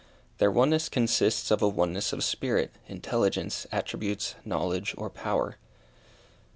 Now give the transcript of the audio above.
Their oneness consists of a oneness of spirit, intelligence, attributes, knowledge, or power.